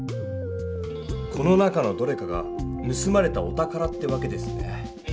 この中のどれかがぬすまれたお宝ってわけですね。